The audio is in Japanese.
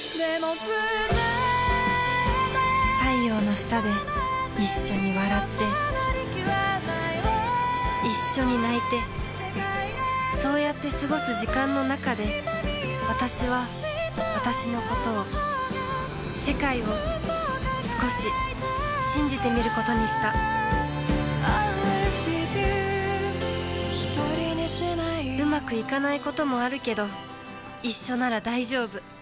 太陽の下で一緒に笑って一緒に泣いてそうやって過ごす時間の中でわたしはわたしのことを世界を少し信じてみることにしたうまくいかないこともあるけど一緒なら大丈夫